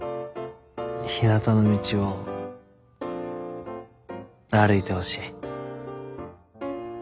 ひなたの道を歩いてほしい。